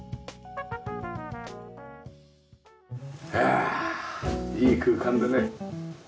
ああいい空間でね。